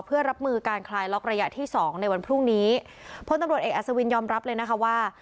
เพื่อรับมือการคลายล็อกระยะที่สองในวันพรุ่งนี้พลตำรวจเอกอัศวินยอมรับเลยนะคะว่า